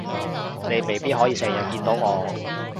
你未必可以成日見到我